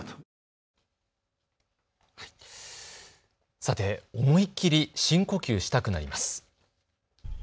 さて、思いっきり深呼吸したくなります。